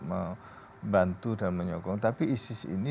membantu dan menyokong tapi isis ini